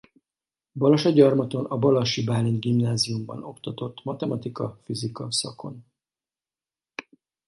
Balassagyarmaton a Balassi Bálint Gimnáziumban oktatott matematika-fizika szakon.